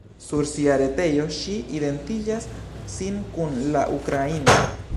Sur sia retejo, ŝi identiĝas sin kun la ukraina.